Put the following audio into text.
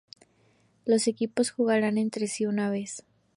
Los equipos jugaran entre sí una vez.